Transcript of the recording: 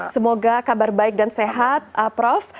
semoga kabar baik dan sehat prof